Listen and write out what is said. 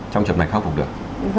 trong trập này khắc phục được